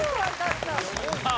さあ